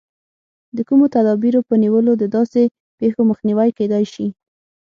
د کومو تدابیرو په نیولو د داسې پېښو مخنیوی کېدای شي.